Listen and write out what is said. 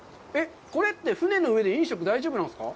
これって、船の上で飲食大丈夫なんですか？